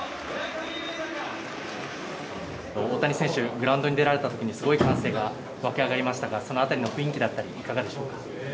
グラウンドに出られた時にすごい歓声が沸き上がりましたがその辺りの雰囲気だったりいかがですか。